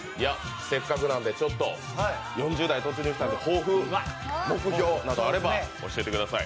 せっかくなんで４０代突入したので、抱負、目標があれば教えてください。